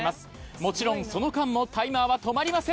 もちろんその間もタイマーは止まりません。